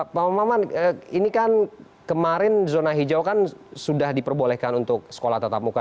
pak maman ini kan kemarin zona hijau kan sudah diperbolehkan untuk sekolah tatap muka